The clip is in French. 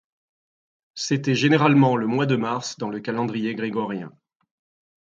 C'était généralement le du mois de mars dans le calendrier grégorien.